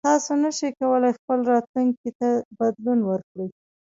تاسو نشئ کولی خپل راتلونکي ته بدلون ورکړئ.